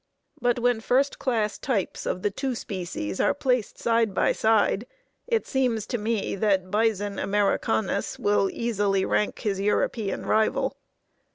But when first class types of the two species are placed side by side it seems to me that Bison americanus will easily rank his European rival.